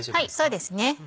そうですね。